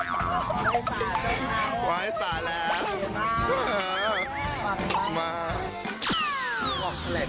ที่ค่านี้นะคะมาเต็มตั้งเจ้านางเจ็ดนะคะ